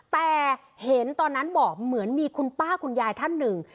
แต่เห็นตอนนั้นบอกเหมือนมีคุณป้าคุณยายท่านหนึ่ง